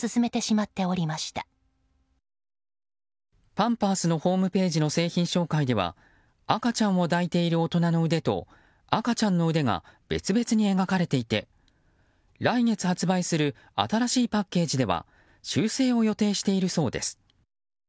パンパースのホームページの製品紹介では赤ちゃんを抱いている大人の腕と赤ちゃんの腕が別々に描かれていて来月発売する新しいパッケージでは修正を予定しているそうです。